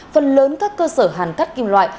phần lớn các cơ sở hàn cắt kim loại